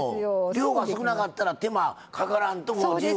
量が少なかったら手間かからんともう１５秒で。